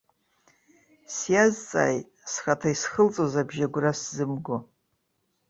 Сиазҵааит, схаҭа исхылҵуаз абжьы агәра сзымго.